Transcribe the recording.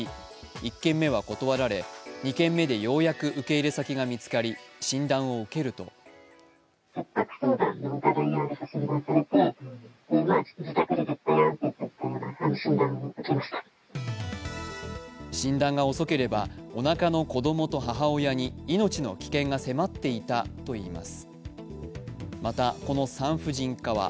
１軒目は断られ、２軒目でようやく受け入れ先が見つかり、診断を受けると診断が遅ければおなかの子供と母親に命の危険が迫っていたといいます。